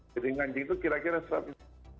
jadi nanjing itu kira kira setelah itu